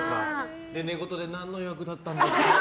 で、寝言で何の予約だったっけって。